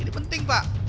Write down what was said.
ini penting pak